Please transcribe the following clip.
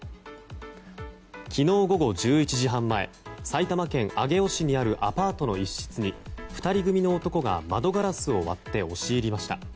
昨日午後１１時半前埼玉県上尾市にあるアパートの一室に２人組の男が窓ガラスを割って押し入りました。